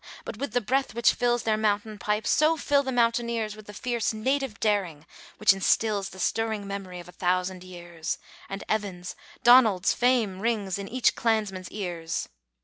But with the breath which fills Their mountain pipe, so fill the mountaineers With the fierce native daring which instils The stirring memory of a thousand years, And Evan's, Donald's fame rings in each clansman's ears!